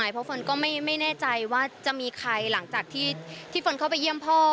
เพราะเฟิร์นก็ไม่แน่ใจว่าจะมีใครหลังจากที่เฟิร์นเข้าไปเยี่ยมพ่อ